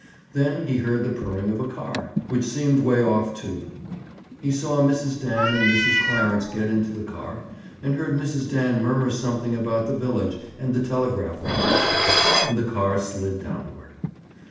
Then he heard the purring of a car, which seemed way off, too. He saw Mrs. Dan and Mrs. Clarence get into the car and heard Mrs. Dan murmur something about the village and the telegraph office, and the car slid downward.